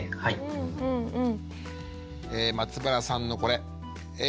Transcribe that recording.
うんうんうんうん。